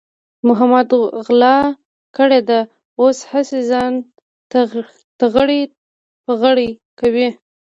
محمود غلا کړې ده، اوس هسې ځان تغړې پغړې کوي.